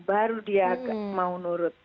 baru dia mau nurut